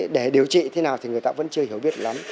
để điều trị thế nào thì người ta vẫn chưa hiểu biết lắm